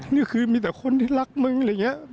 นี่คือมีแต่คนที่รักมึงอะไรอย่างนี้